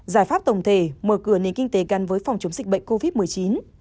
giải pháp tổng thể mở cửa nền kinh tế gắn với phòng chống dịch bệnh covid một mươi chín